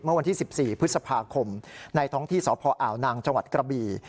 เมื่อวันที่๑๔พฤษภาคมในท้องที่สพอ่าวนางจังหวัดกระบี